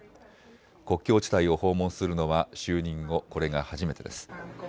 国境地帯を訪問するのは就任後、これが初めてです。